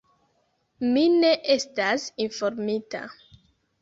Mi ne estas informita.